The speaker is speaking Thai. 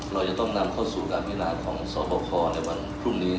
เราจะต้องนำเข้าสู่การพินาของสวบคในวันพรุ่งนี้